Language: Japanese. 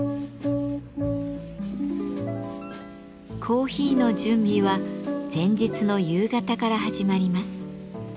コーヒーの準備は前日の夕方から始まります。